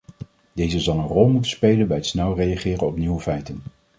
Deze zal een rol moeten spelen bij het snel reageren op nieuwe feiten.